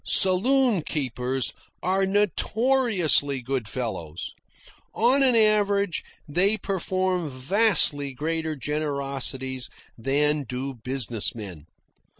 Saloon keepers are notoriously good fellows. On an average they perform vastly greater generosities than do business men.